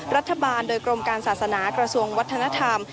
รัฐบาลโดยกรมการศาสนากระทรวงวัฒนธรรม